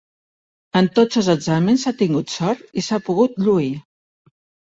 En tots els exàmens ha tingut sort i s'ha pogut lluir.